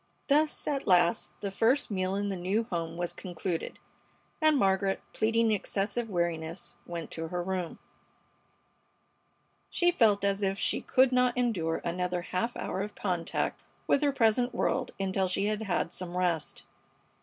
Thus, at last, the first meal in the new home was concluded, and Margaret, pleading excessive weariness, went to her room. She felt as if she could not endure another half hour of contact with her present world until she had had some rest.